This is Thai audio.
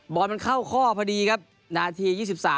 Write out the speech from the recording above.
บอลมันเข้าข้อพอดีครับนาที๒๓